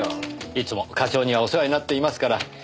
いつも課長にはお世話になっていますから。